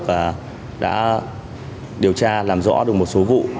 và đã điều tra làm rõ được một số vụ